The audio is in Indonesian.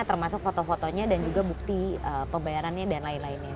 termasuk foto fotonya dan juga bukti pembayarannya dan lain lainnya